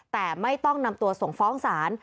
แต่ไม่ต้องนำตัวส่งฟ้องศาล